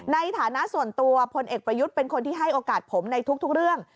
ในฐานะส่วนตัวพลเอกประยุทธ์เป็นคนที่ให้โอกาสผมในทุกเรื่อง